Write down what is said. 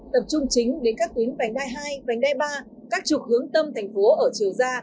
tập trung chính đến các tuyến vành đai hai vành đai ba các trục hướng tâm thành phố ở chiều ra